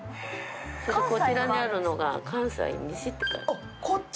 こちらにあるのが関西、「西」って書いてある。